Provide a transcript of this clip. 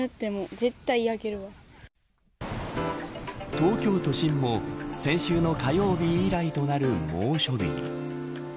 東京都心も先週の火曜日以来となる猛暑日に。